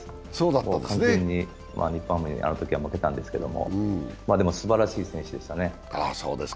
完璧にあのときは負けたんですけど、でも、すばらしい選手でしたね。